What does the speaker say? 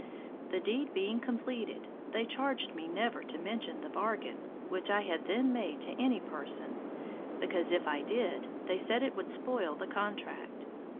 The deed being completed they charged me never to mention the bargain which I had then made to any person; because if I did, they said it would spoil the contract.